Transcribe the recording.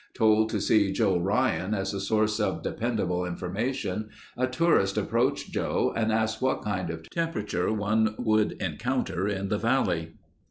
Told to see Joe Ryan as a source of dependable information, a tourist approached Joe and asked what kind of temperature one would encounter in the valley.